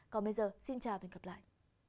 còn bây giờ xin chào và hẹn gặp lại